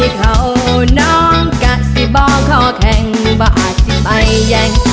เพราะอาทิตย์ไปยัง